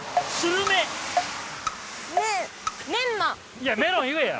いやメロン言えや！